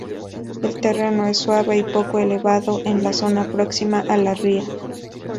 El terreno es suave y poco elevado en la zona próxima a la ría.